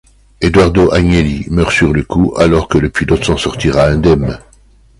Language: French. Edoardo Agnelli meurt sur le coup alors que le pilote s'en sortira indemne.